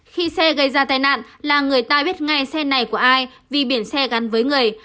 khi xe gây ra tai nạn là người ta biết ngay xe này của ai vì biển xe gắn với người